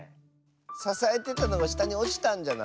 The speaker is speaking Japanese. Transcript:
ささえてたのがしたにおちたんじゃない？